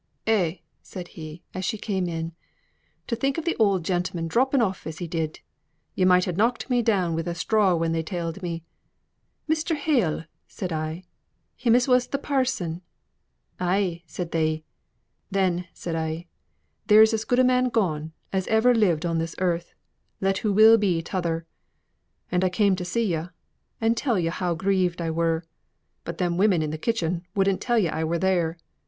"Eh!" said he, as she came in, "to think of th' oud gentleman dropping off as he did! Yo' might ha' knocked me down wi' a straw when they telled me. 'Mr. Hale?' said I; 'him as was th' parson?' 'Ay,' said they. 'Then,' said I, 'there's as good a man gone as ever lived on this earth, let who will be t'other!' And I came to see yo', and tell yo' how grieved I were, but them women in th' kitchen wouldn't tell yo' I were there.